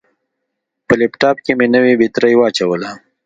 په لپټاپ کې مې نوې بطرۍ واچوله.